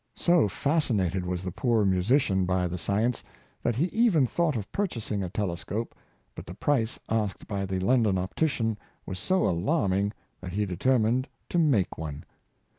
So fascinated was the poor musician by the science, that he even thought of purchasing a telescope, but the price asked by the London optician was so alarming that he determined to make one.